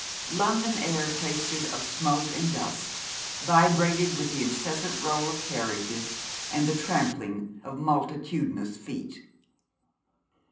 London air tasted of smoke and dust, vibrated with the incessant roll of carriages, and the trampling of multitudinous feet.